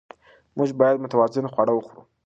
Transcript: موږ باید متوازن خواړه وخورو